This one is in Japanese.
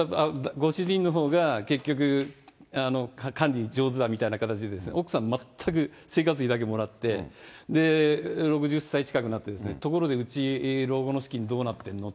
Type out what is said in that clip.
ご主人のほうが、結局、管理上手だみたいな感じで、奥さん、全く生活費だけもらって、６０歳近くになって、ところでうち、老後の資金どうなってるの？